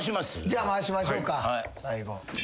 じゃあ回しましょうか。